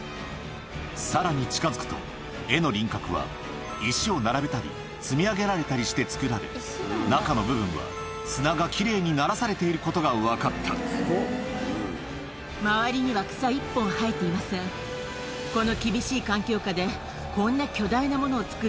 さらに近づくと絵の輪郭は石を並べたり積み上げられたりして作られ中の部分は砂が奇麗にならされていることが分かったそこまでして一体何なのかこの。